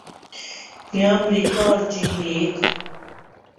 کیا امریکہ اور چین ایک